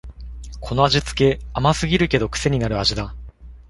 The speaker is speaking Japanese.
この味つけ、甘すぎるけどくせになる味だ